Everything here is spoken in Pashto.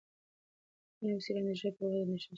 نوې څېړنې د ژبې پر وده اندېښنه ښيي.